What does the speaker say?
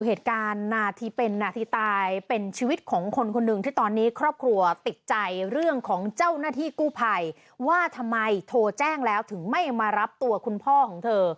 เหตุการณ์นาทีเป็นนาทีตายเป็นชีวิตของคนคนหนึ่งที่ตอนนี้ครอบครัวติดใจเรื่องของเจ้าหน้าที่กู้ภัยว่าทำไมโทรแจ้งแล้วถึงไม่มารับตัวคุณพ่อของเธอ